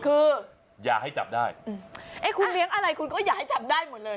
คืออย่าให้จับได้เอ๊ะคุณเลี้ยงอะไรคุณก็อย่าให้จับได้หมดเลย